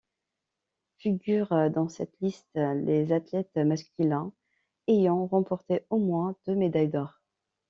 Figurent dans cette liste les athlètes masculins ayant remporté au moins deux médailles d'or.